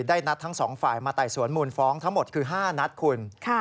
นัดทั้งสองฝ่ายมาไต่สวนมูลฟ้องทั้งหมดคือ๕นัดคุณ